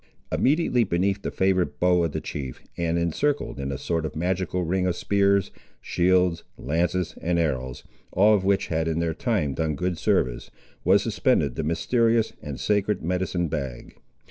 Immediately beneath the favourite bow of the chief, and encircled in a sort of magical ring of spears, shields, lances and arrows, all of which had in their time done good service, was suspended the mysterious and sacred medicine bag.